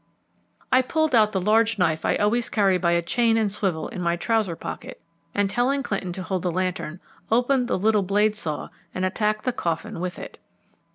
I pulled out the large knife I always carry by a chain and swivel in my trouser pocket, and telling Clinton to hold the lantern, opened the little blade saw and attacked the coffin with it.